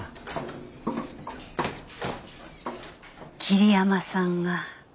桐山さんが？